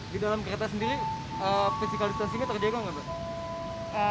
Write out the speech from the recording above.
di dalam kereta sendiri fisikal distansinya terjaga nggak pak